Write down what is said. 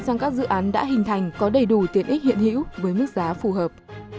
rằng các dự án đã hình thành có đầy đủ tiện ích hiện hữu với mức giá phù hợp